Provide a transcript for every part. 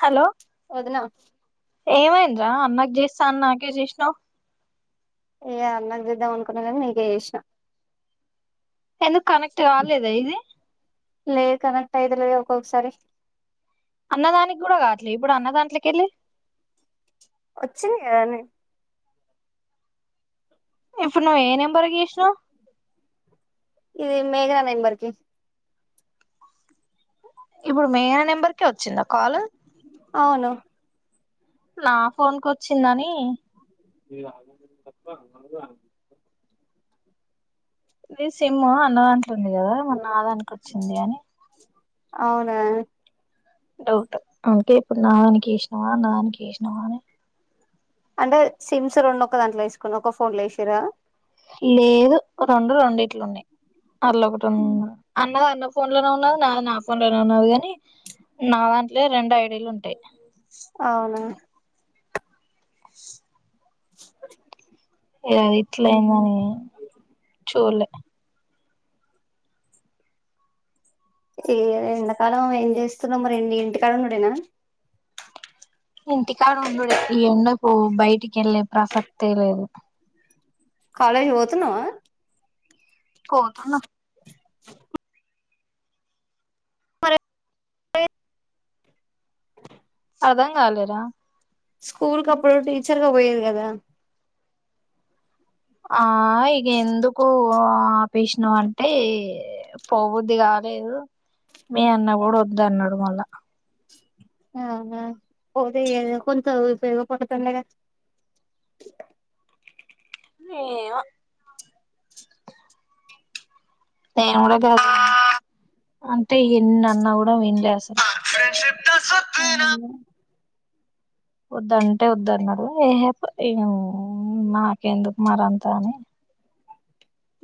Hello వదిన ఏమైంది అన్నాకి చేస్తా అనీ నాకే చేసినావు ఇక అన్నకు చేద్దాం అనుకున్నా కానీ నీకే చేసా ఎందుకు కనెక్ట్ కాలేదా ఇది లేఖన ఐదు రోజులకు ఒకసారి అన్నదానికి కూడా కావట్లే ఇప్పుడు అన్నదాంట్లకి వెళ్ళి వచ్చింది కదనే ఇప్పుడు నువ్వు ఏ నంబర్ కు చేసినవ్ ఇది మేఘనా నంబర్కి ఇప్పుడు మేగన నెంబర్కే వచ్చిందా కాల్ అవును నా ఫోన్కు వచ్చిందని రా ఇది సిమ్ అన్నదాంట్లుంది కదా మొన్న నా దానికి వచ్చింది అని అవునా డౌట్ అంటే ఇప్పుడు అన్నదానికి వేసినవా నాదనికి వేసినవా అని అంటే సిమ్స్ రెండు ఒక దాంట్లో వేసుకుని ఒక ఫోన్లో వేసిరా లేదు రెండు రెండు ఇట్లు ఉన్నాయి అట్లో ఒకటి అన్నదా న్న ఫోన్ లోనే ఉన్నా నా నా ఫోన్ లోనే ఉన్నాది కాని నా దాంట్లో రెండు ఐడిలు ఉంటాయి అవునా ఇట్ల తలే ఏ ఎండాకాలం ఏం చేస్తున్నాం మరి ఇం ఇంటికాడన్నాడేనా ఇంటికాడు ఉండుడే ఈ ఎండకు బయటికి వెళ్ళలే ప్రసక్తే లేదు కాలేజ్ కి పోతునవ పోతనా మరి అర్దం కాలేరా స్కూల్ క అప్పుడు టీచర్గా పోయేది కదా ఆ ఇక ఎందుకు ఆపష్నా అంటే పోబుద్ది కాలేదు మీ అన్న కూడా వద్ద అన్నాడు మళ్ళా ఆ పోతే కొంత ఉపయోగ పడుతుడాగా ఏమో నేను కూడా చేస్తాను అంటే ఎన్ని అన్న కూడా వన్లేస్తాను [inaudible] వదుంటే వద్ద అన్నాడు ఏహ ఏ నాక ఎందుకు మార అంతా అని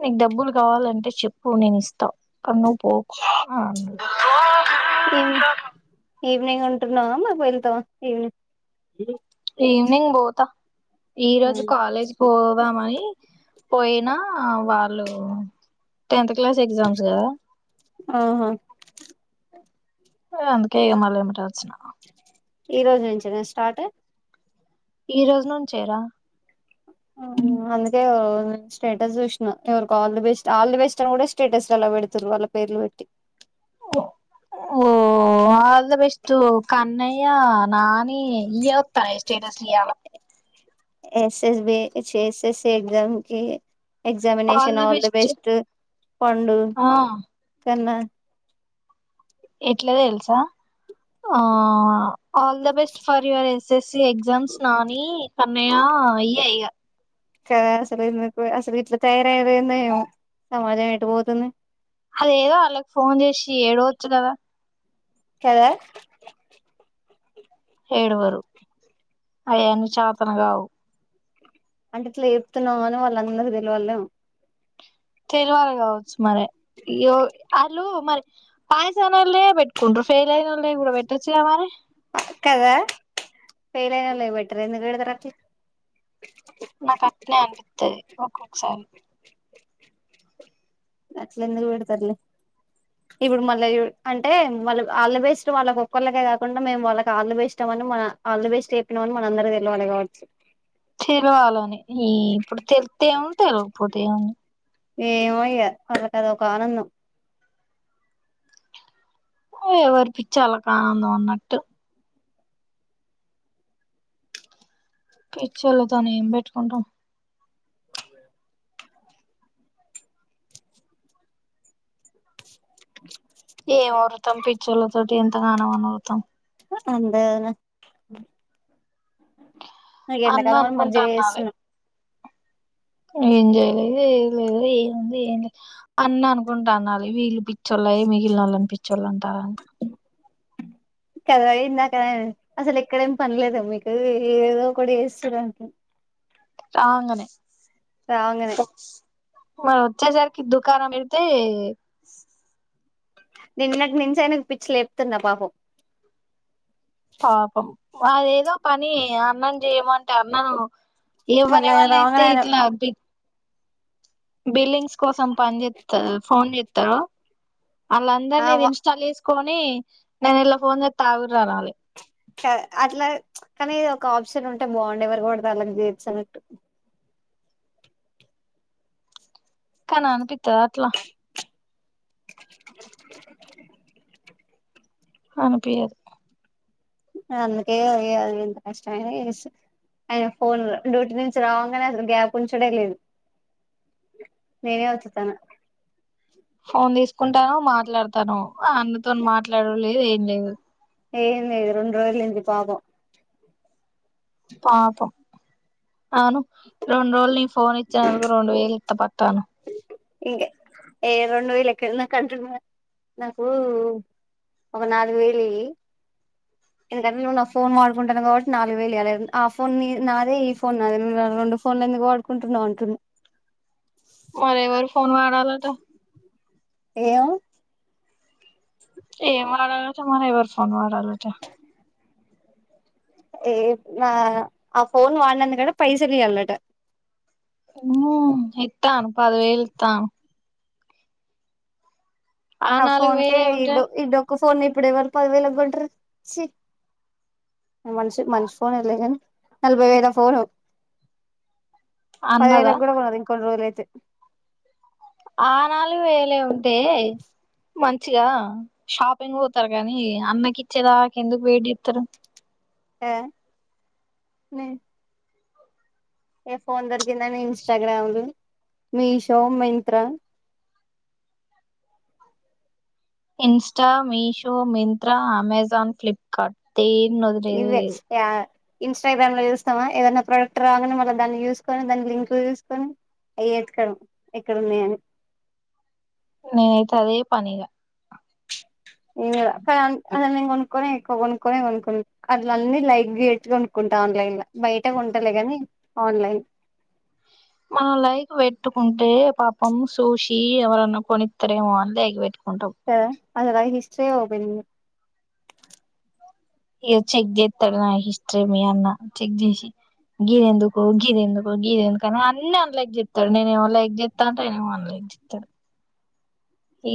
నీకు డబ్బులు కావాలంటే చెప్పు నేను ఇస్తా కానీ నవ్వు పోకు అని ఆనాడు ఈవినింగ్ ఈవినింగ్ ఉంటున్నావా మరి వెళ్తావా ఈవినింగ్ ఈవనింగ్ పోతా ఈ రోజు కాలేజ్ పో పోదామని పోయినా వాళ్ళు క్లాస్ ఎగ్జామ్స్ కదా ఆహా ఏ ఇగ ఏమంటే వచ్చిన ఈ రోజు నుంచి నే స్టార్ట్ ఈ రోజు నుంచేరా ఆ అందుకే స్టేటస్ చూసినా ఇవరికి all the best all the best అని కూడా స్టేటస్ ఎలా పెడుతురు పేరిలు పెట్టి అ బెస్టు కన్నయ్య నాని ఈత్తార స్టాటుస్లు ఇయ్యాల సేస్ భసస్ ఎగ్జామ్ కి ఎక్జామినేషన్ ఆల్ ద బెస్ట్ పండు ఆ కన్నా ఎట్ల తెలుసా all the best for your SS exams Nani Kannayya ఏయే ఆయా క అసలు అసలు ఎట్ల తయారయాల సమాజం పోతుంది అద ఏదో వాళ్ళకి ఫోన్ చేసి ఏడవచ్చు కదా కదా ఏడువరు అయన్న చతనగావు అంటే ఇట్లా చెప్తున్నా అని వాళ్ళు అని ఉన్నారు తెలి వాళ్ళ తెలవాలి కావచ్చు మరిో వాళ్ళు మరి పాయసాల న పెట్కుంటరూ ఫెల్యిన వల్ల నేమ్ కూడా పెట్టచ్చ కదా మరి కదా పేలనలో బట్ర ఎందుకు పెడతారో అట్ల నాకు అట్నే అనిపిత్తది ఒక్కొక్కసారి అట్లేందుకు పెడతార్లే ఇప్పుడు మళ్ళ చూడు అంటే మళ్ళ ఆల్ ద బెస్ట్ వాళ్ళకి ఒక్కళ్లకే కాకుండా మేము వాళ్ళకి ఆల్ ద బెస్ట్ పెట్ల మనం మన ఆల్ ద బెస్ట్ చెప్పినామని మన అందరికి తెలవాలి కావచ్చు చీరువా లోనే ఈ ఇప్పుడు తెలితే ఏముంది తెల్వకపోతే ఏముంది ఏమయ్యా వాళ్లకి అదో ఆనందం ఓరి ఎవరి పిచ్చి వాళ్ళకి ఆనందం అన్నట్టు పిచ్చోళ్లతోను ఏం పెట్టుకుంటాం ఏం ఓర్లుతం పిచ్చోళ్ల తోటి ఎంతగానం అయినా ఓర్లుతాం అంతే కదనే నాకు అన్న ఎండకాలం అని అనుకుంటా మజ్జిగ అన్నాలి చేస్తున్నాం ఏం చేయలేదు ఏది లేదు ఏముంది ఏం లేదు అన్న అనుకుంటా అనాలి వీళ్ళు పిచ్చ చ్చోళ్ళే మిగిలినోళ్ళని పిచ్చోళ్ళు అంటారా కదా ఇందాకనే అసలు ఎక్కడేమి పనిలేదు మీకు ఏదో కూడా చేస్తుర్రు ఆ అంగనే రా అంగనే వారు వచ్చేసరికి దుకానం వెళ్తే నిన్నటినుంచి ఆయనకు పిచ్చి లేపుతున్నా పాపం పాపం అదేదో పని అన్నం చేయము అంటే అన్నను మళ్ళీ ఎవ్వరి ఆయన వల్ల రావంగనే అయితే ఆయన ఇట్లా బిత్ బిల్లింగ్స్ కోసం పని చేస్తారు ఫోన్ చేత్తారు ఆ వాళ్ళందరినీ వ ఇది ఇన్స్టాల్ చేసుకొని నేను ఇలా ఫోన్ చేత్తా ఆగుర్రి అనాలి హ అట్లా కానీ ఒక ఆప్షన్ ఉంటే బాగుండే ఎవరికి పడితే వాళ్ళకి చేసినట్టు కాని అనిపిత్తద అట్లా అనిపియ్యదు నేను అందుకే కద ఎంత కష్టమయినా చేస్తున్న ఆయన ఫోన్ డ్యూటీ నుంచి రావగానే అసలు గ్యాప్ ఉంచుడే లేదు నేనే వత్తుతన్న ఫోన్ తీసుకుంటాను మాట్లాడతాను అన్నతో మాట్లాడడం లేదు ఏం లేదు ఏంది ఇది రెండు రోజులు అయ్యింది పాపం పాపం అవును రెండు రోజులు నీ ఫోన్ ఇచ్చేందుకు రెండు వేలు పత్త పతను ఇంకా ఏ రెండు వేల ఎక్కడ నా కంట నాకు ఒక నాలుగు వేలి ఇయ్యి ఎందుకంటే ను్వు ఫోన్ వాడుకుంటాను కాబట్టి నాలుగు వేలు ఇవ్వలేదు ఆ ఫోన్ నాదే ఈ ఫోన్ నాదే రెండు ఫోన్ ఎందుకు వాడుకుంటున్నావు అంటు మరేవరి ఫోన్ వాడాలటా ఏమో ఏమో వాడేల మన ఎవరి ఫోన్ వాడాలట ఏ నా ఆ ఫోన్ వాడినందుకైన పైసలు ఇయ్యాలట ఉమ్ ఇత్తాను పదివేలు ఇత్తాను ఆ నాలుగు ఫోన్కే వేలు ఇ ఏముంటాయి ఇడొక్క ఫోన్ ఇప్పుడ ఎవరు పదివేలు కొంటారు ఛీ మంషి మంచి ఫోన్ లే గాని నలభై వేలా ఫోను అన్నదా పదివేలకు కూడా ఉన్నాది ఇంకొన్ని రోజులు అయితే ఆ నాలుగు వేలే ఉంటే మంచిగా షాపింగ్ పోతారు కానీ అన్నకి ఇచ్చేదాక ఎందుకు వెయిట్ చేత్తరు ఆ హ్మ్ ఏ ఫోన్ దొరికిందని ఇన్స్టాగ్రామ్లు మీషో మింత్రా ఇన్స్టా మీషో మింత్ర అమెజాన్ ఫ్లిప్కార్ట్ దేన్నోదిలేదే లేదు. ఇన్స్టాగ్రామ్లో చూస్తామా ఏదైనా ప్రోడక్ట్ రాగానే మళ్ళ దాన్ని చూసుకొని దాని లింకుల్ చూసుకొని అయే ఎతికాను ఎక్కడున్నాయని నేనైతే అదే పనిగా నేన్ కూడా కానంత్ అసలు నేను కొనుక్కొనే ఎక్కువ కొనుక్కొనే కొనుకుం అట్లన్ని లైక్ చేేసి కొనుకుంటా ఆన్లైన్ల బయట కొంటాలే గాని ఆన్లైన్ మనం లైక్ పెట్టుకుంటే పాపం సూషి ఎవరన్నా కొనిత్తరేమో అని లైక్ పెట్టుకు కదా అసలా హిస్ట్రియే ఓపన్ చేయను. ఇక చెక్ దత్తడు నా హిస్ట్రీ మీ అన్న చెక్ చేసి గిదెందుకు గిదెందుకు గిదెందుకు అని అన్ని అన్లైక్ చెత్తాడు నేనేమో లైక్ చెత్తంటా అయనేమో అన్లైక్ జిత్తడు.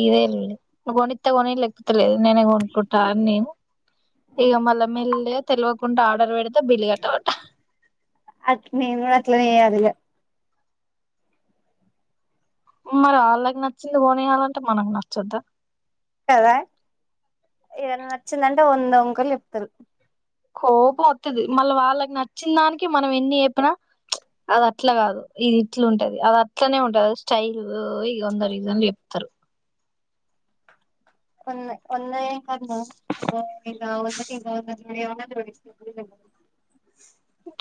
ఇదే రీల్ నువ్ కొనిత్తే కొని లేక పోతే లేదు నేనే కొనుకుంటా అని నేను ఇగ మల్ల మేల్లిగా తెల్వకుండ ఆర్డర్ పెడి అట్ నేను కూడ అట్లనే చేయాలిగ మరి ఆళ్ళకి నచ్చింది కొనీయాలంటే మనకు నచ్చొద్దా కదా. ఏదన్నా నచ్చిందంటే వంద వంకలు చెప్తారు. కోపం వత్తది. మళ్ళ వాళ్ళకి నచ్చిందానికి మనం ఎన్ని చెప్పినా అదట్ల కాదు ఇది ఇట్లు ఉంటది అదట్లనే ఉంటది అది స్టైల్ ఇగ వంద రీజన్లు చెప్త రు. వంద వందయేం కర్మ [unintelligible] వందకిగ ఎమన్నా పట్టించుకునేది లేదు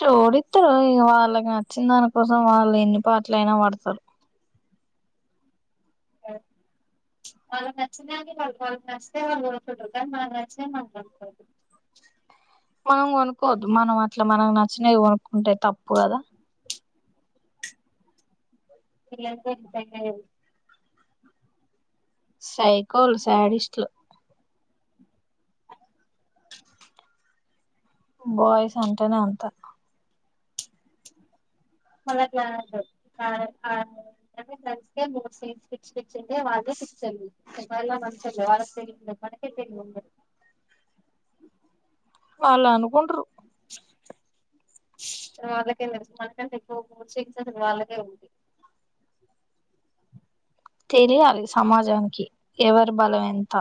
చోడిస్తారు. ఇగ వాళ్ళకి నచ్చిన దానికోసం వాళ్ళు ఎన్ని పాట్ల్ అయినా పడతారు అ వాళ్ళక్ నచ్చినదాన్ని వాళ్ళ వాళ్ళకి నచ్చతే వాళ్ళుకొనుకుంటరు కానీ మనకి నచ్చేతే మనం కొనుకు మనం కొనుక్కోవద్దు మనమట్లా మనకు నచ్చిన్నేవి కొనుక్కుంటే తప్పు కదా వీళ్లయితే ఇక తగ్గలేరు సైకోల్ స్యాడిస్ట్లు బాయ్స్ అంటేనే అంత మళ్ళట్ల అనద్దు [unintelligible] ంగే వాళ్ళే పిచ్చోళ్ళు. వాళ్ళ మంచచోల్లే వాళ్ళకి తేలీదు మనకి తేలిసేది ముందే వాళ్ళ అనుకుంటరు. వాళ్ళకేం తెలుసు మనకంటే ఎక్కువ సెన్స్ ఆఫ్ హ్యూమర్ వాళ్ళకే ఉంది. తెలియాలి సమాజానికి ఎవరి బలం ఎంత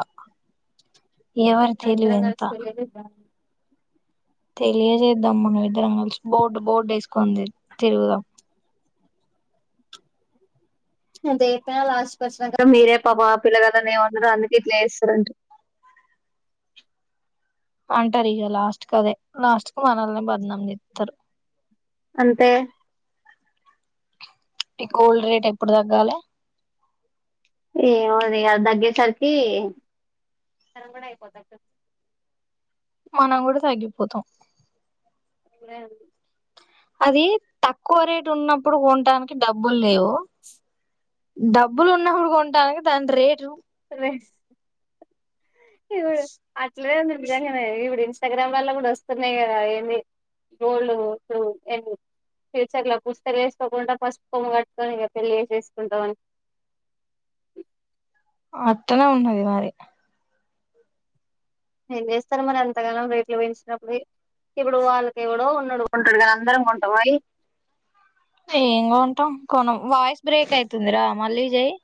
ఎవరి మన తెలివి ఇద్దరం ఎంత కలిసి తెలియదు తెలియచేద్దాం మనమిద్దరం కలిసి బోర్డు బోర్డు వేసుకొని తి తిరుగుదాం ఎంత చెప్పినా లాస్ట్ కోచ్చినంక మీరే పాపం ఆ పిల్ల కదా నేమందరు అందుకే ఇట్లా చేస్తారండ్రి. అంటారిగ లాస్ట్కి అదే లాస్ట్కు మనల్నే బగ్నం చెస్తారు. అంతే ఈ గోల్డ్ రేట్ ఎప్పుడు తగ్గాల ఏమో అదిగ అది తగ్గేసరికి మనం కూడా తగ్గిపోతాం. ఇప్పుడే అంది అదీ తక్కువ రేటు ఉన్నప్పుడు కొంటానికి డబ్బులు లేవు. డబ్బులు ఉన్నప్పుడు కొంటానికి దాని రేటు రే బ లేదండి నిజంగనే, ఇప్పుడు ఇన్స్టాగ్రామ్ లల్ల గూడా వస్తున్నాయి గదా ఏంది. గోల్డు [unintelligible] ఫ్యూచర్లా పుస్తలు ఏసుకోకుండా పసుపు కొమ్ము కట్టుకొని ఇగ పెళ్ళి చేసేసుకుంటమని. అట్టనే ఉన్నది మరి ఏం చేస్తరు మరి అంతగనం రేట్లు పెంచినప్పుడు ఇగ ఇప్పుడు వాళ్ళకి ఎవడో కొన్నడు కొంటడు గానీ అందరం కొంటమాయి ఏం కొంటం కొనం వాయిస్ బ్రేక్ అయితుందిరా మళ్ళీ చెయ్